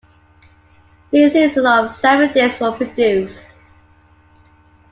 Three seasons of "Seven Days" were produced.